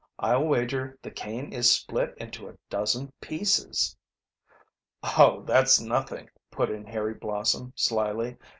I'll wager the cane is split into a dozen pieces." "Oh, that's nothing," put in Harry Blossom slyly.